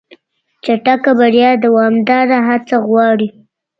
چټک بریا دوامداره هڅه غواړي.